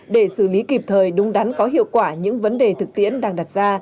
để xử lý kịp thời đúng đắn có hiệu quả những vấn đề thực tiễn đang đặt ra